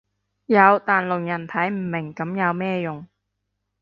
有但聾人睇唔明噉有咩用